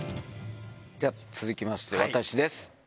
じゃあ、続きまして、私です。